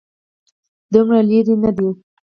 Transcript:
دومره لرې نه دی.